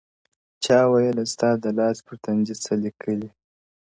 چا ويل ه ستا د لاس پر تندي څه ليـــكـلي،